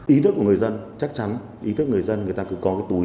ý thức của người dân chắc chắn ý thức người dân người ta cứ có cái túi rác người ta